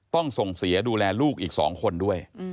ต้องส่งเสียดูแลลูกอีก๒คนด้วย